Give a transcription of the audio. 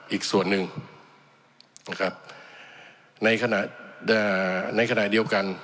อีกส่วนหนึ่งนะครับในขณะในขณะเดียวกัน